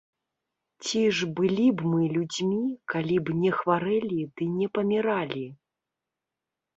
Ці ж былі б мы людзьмі, калі б не хварэлі ды не паміралі?